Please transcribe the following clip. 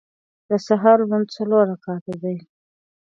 د سهار لمونځ څلور رکعته دی.